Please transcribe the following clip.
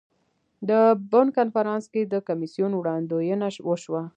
د بن کنفرانس کې د کمیسیون وړاندوینه وشوه.